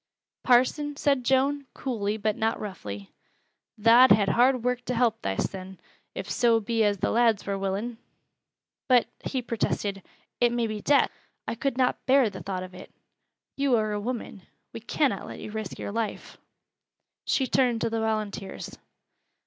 "Parson," said Joan, coolly but not roughly, "tha'd ha' hard work to help thysen, if so be as th' lads wur willin'!" "But," he protested, "it may be death. I could not bear the thought of it. You are a woman. We cannot let you risk your life." She turned to the volunteers.